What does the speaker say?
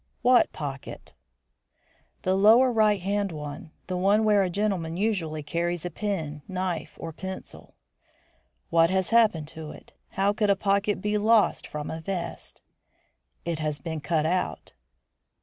"What pocket?" "The lower right hand one, the one where a gentleman usually carries a pen, knife, or pencil." "What has happened to it? How could a pocket be lost from a vest?" "It has been cut out."